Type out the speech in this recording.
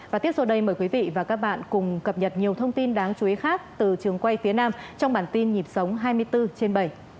và tiếp sau đây mời quý vị và các bạn cùng cập nhật nhiều thông tin đáng chú ý khác từ trường quay phía nam trong bản tin nhịp sống hai mươi bốn trên bảy